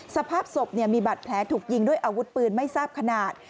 สภาพศพมีบาดแผลถูกยิงด้วยอาวุธปืนไม่ทราบขนาด